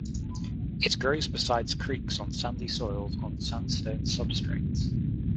It grows beside creeks on sandy soils on sandstone substrates.